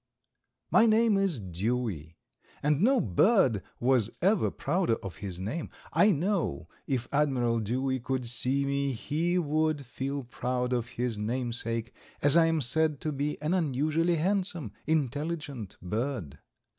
My name is Dewey, and no bird was ever prouder of his name. I know if Admiral Dewey could see me he would feel proud of his namesake, as I am said to be an unusually handsome, intelligent bird.